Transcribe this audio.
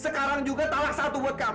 sekarang juga talak satu buat kamu